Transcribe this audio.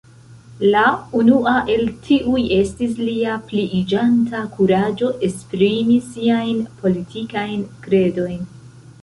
La unua el tiuj estis lia pliiĝanta kuraĝo esprimi siajn politikajn kredojn.